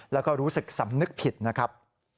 แล้วก็รู้สึกสำนึกผิดนะครับ